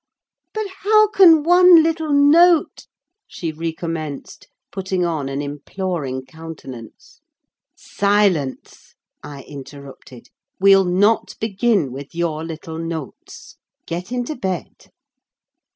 "But how can one little note—?" she recommenced, putting on an imploring countenance. "Silence!" I interrupted. "We'll not begin with your little notes. Get into bed."